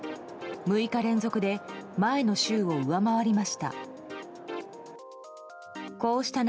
６日連続で前の週を上回りました。